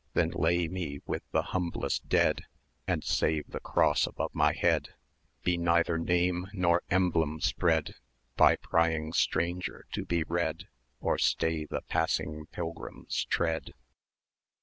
Then lay me with the humblest dead,[ew] And, save the cross above my head, Be neither name nor emblem spread, By prying stranger to be read, Or stay the passing pilgrim's tread."